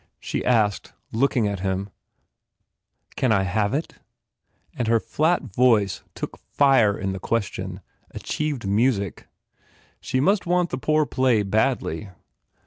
She asked, looking at him, u Can I have it?" and her flat voice took fire in the question, achieved music. She must want the poor play badly.